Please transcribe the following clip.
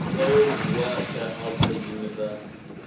O worker of the universe!